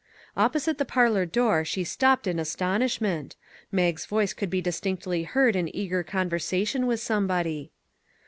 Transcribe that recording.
Opposite the parlor door she stopped in astonishment. Mag's voice could be distinctly heard in eager conversation with somebody.